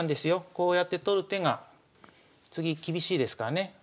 こうやって取る手が次厳しいですからね。